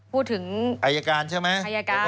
พูดถึงอายการใช่ไหม